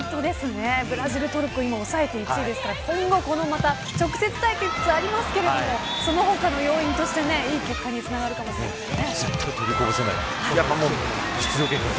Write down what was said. ブラジル、トルコをおさえて１位ですから今後、直接対決がありますがその他の要因としていい結果につながるかもしれませんね。